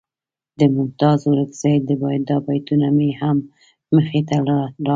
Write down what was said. د ممتاز اورکزي دا بیتونه مې هم مخې ته راغلل.